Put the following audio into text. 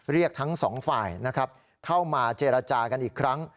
เรียกทั้งสองฝ่ายนะครับเข้ามาเจรจากันอีกครั้ง